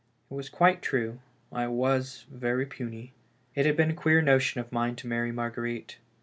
It was quite true. I was very puny. It had been a queer notion of mine to marry Marguerite.